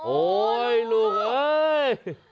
โอ๊ยลูกเอ้ย